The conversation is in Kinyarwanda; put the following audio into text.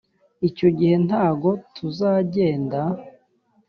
icyo gihe ntago tuzagenda